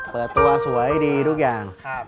เปิดตัวสวยดีทุกอย่าง